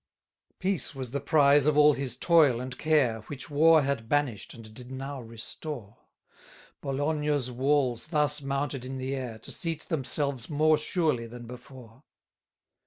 16 Peace was the prize of all his toil and care, Which war had banish'd, and did now restore: Bologna's walls thus mounted in the air, To seat themselves more surely than before.